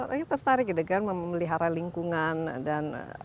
saya tertarik dengan memelihara lingkungan dan